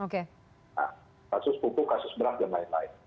kasus pupuk kasus beras dan lain lain